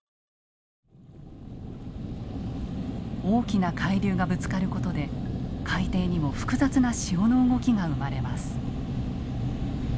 大きな海流がぶつかることで海底にも複雑な潮の動きが生まれます。